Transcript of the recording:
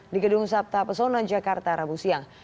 di gedung sabta pesona jakarta rabu siang